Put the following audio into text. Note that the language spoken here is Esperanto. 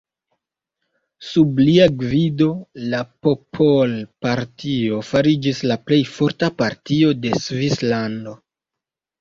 Sub lia gvido la Popolpartio fariĝis la plej forta partio de Svislando.